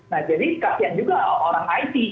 nah jadi kasian juga orang it